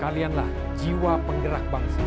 kalianlah jiwa penggerak bangsa